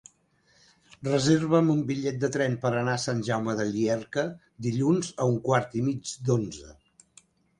Reserva'm un bitllet de tren per anar a Sant Jaume de Llierca dilluns a un quart i mig d'onze.